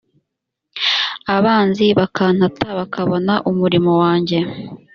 abanzi bakantata bakabona umurimo wanjye